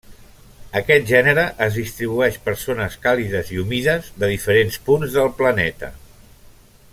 Aquest gènere es distribueix per zones càlides i humides de diferents punts del planeta.